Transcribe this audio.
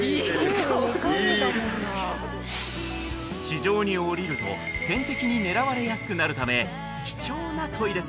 地上に下りると天敵に狙われやすくなるため貴重なトイレ